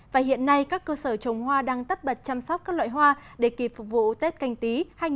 và hiện nay các cơ sở trồng hoa đang tắt bật chăm sóc các loại hoa để kịp phục vụ tết canh tí hai nghìn hai mươi